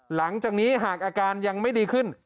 หลังจากนี้หากอาการยังไม่ดีขึ้น